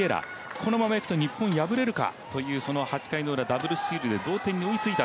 このままいくと日本敗れるかという８回のウラダブルスチールで同点に追いついた